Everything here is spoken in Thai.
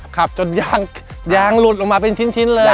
ขับจนยางหลุดลงมาเป็นชิ้นเลย